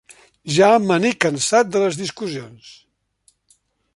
Ja me n'he cansat de les discussions.